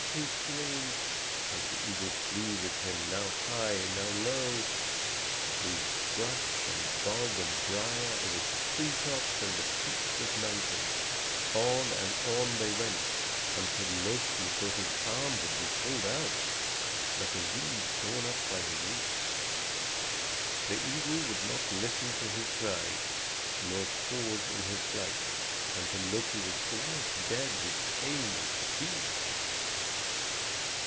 he screamed, as the eagle flew with him, now high, now low, through brush and bog and briar, over treetops and the peaks of mountains. On and on they went, until Loki thought his arm would be pulled out, like a weed torn up by the roots. The eagle would not listen to his cries nor pause in his flight, until Loki was almost dead with pain and fatigue.